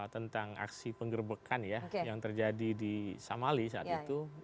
tentang aksi penggerbekan ya yang terjadi di samali saat itu